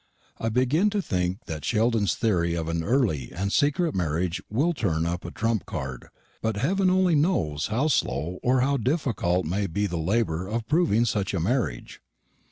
I begin to think that Sheldon's theory of an early and secret marriage will turn up a trump card; but Heaven only knows how slow or how difficult may be the labour of proving such a marriage.